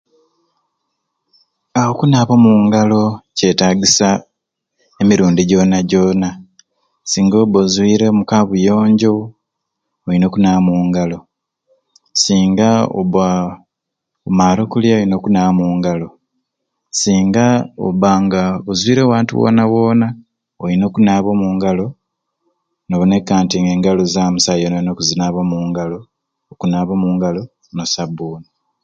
Aahh okunaba omungalo kyetagisa emirundi jona jona singa obba ozwiire omukabuyonjo oyina okunaba omungalo, singa obba omaare okulya oyina okunaba omungalo, singa obanga ozwiire ewantu wona wona oyina okunaba omungalo noboneka nti nengalo zamu esawa yona yona okuzinaba omungalo okunaba omungalo nosabuni.